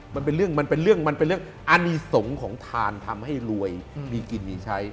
มันเป็นเรื่องอนีสงของทานทำให้รวยมีกินมีใช้